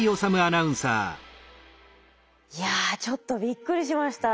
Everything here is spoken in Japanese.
いやちょっとびっくりしました。